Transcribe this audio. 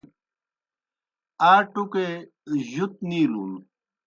آ ٹُکے جُت نِیلُن۔